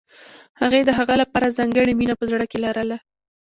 هغې د هغه لپاره ځانګړې مینه په زړه کې لرله